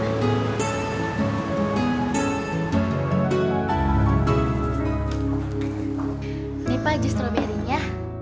ini pak jus stroberinya